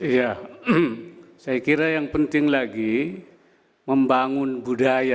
ya saya kira yang penting lagi membangun budaya